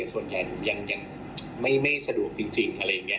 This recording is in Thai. ส่วนใหญ่ยังไม่สะดวกจริงอะไรอย่างนี้